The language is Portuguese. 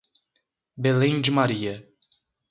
Belém de Maria